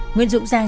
nguyễn dũng giang